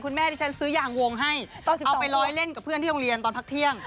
ดิฉันซื้อยางวงให้เอาไปร้อยเล่นกับเพื่อนที่โรงเรียนตอนพักเที่ยง